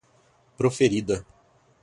proferida